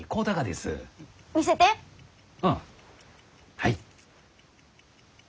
はい。